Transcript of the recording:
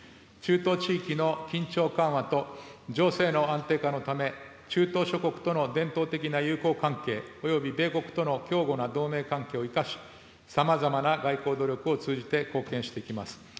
中東地域の緊張緩和と情勢の安定化のため、中東諸国との伝統的な友好関係および米国との強固な同盟関係を生かし、さまざまな外交努力を通じて貢献していきます。